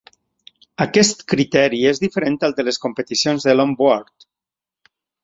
Aquest criteri és diferent al de les competicions de "longboard" .